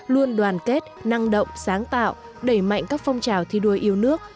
luôn đoàn kết năng động sáng tạo đẩy mạnh các phong trào thi đua yêu nước